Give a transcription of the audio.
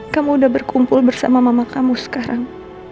kamu udah berkumpul bersama mama kamu sekarang